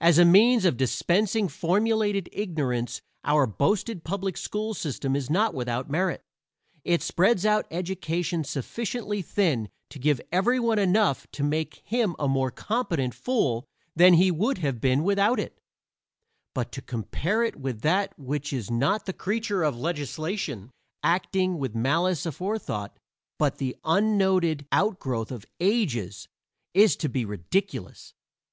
As a means of dispensing formulated ignorance our boasted public school system is not without merit; it spreads out education sufficiently thin to give everyone enough to make him a more competent fool than he would have been without it; but to compare it with that which is not the creature of legislation acting with malice aforethought, but the unnoted out growth of ages, is to be ridiculous.